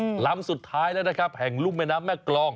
ลำสุดท้ายแล้วนะครับแห่งรุ่มแม่น้ำแม่กรอง